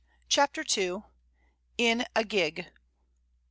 CHAPTER II. IN A GIG.